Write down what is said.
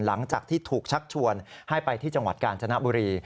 หลังจากที่ถูกชักชวนให้ไปที่จังหวัดกาญจนบุรี